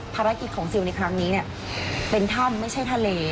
ภารกิจของซิลในครั้งนี้เนี่ยเป็นถ้ำไม่ใช่ทะเล